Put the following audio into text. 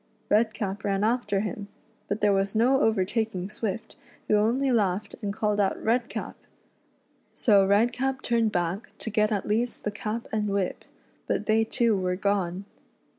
Redcap ran after him, but there was no overtaking Swift, who only laughed and called out "Redcap!" So Redcap turned back to get at least the cap and whip, but they too were gone.